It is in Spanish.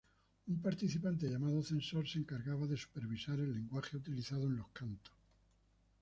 Un participante llamado "censor" se encargaba de supervisar el lenguaje utilizado en los cantos.